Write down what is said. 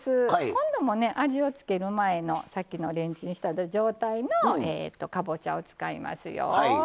今度もね味を付ける前のさっきのレンチンした状態のかぼちゃを使いますよ。